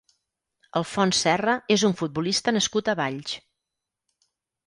Alfons Serra és un futbolista nascut a Valls.